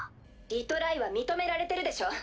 リトライは認められてるでしょ。